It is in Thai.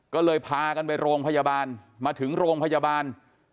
ก็เลยพากันไปโรงพยาบาลมาถึงโรงพยาบาล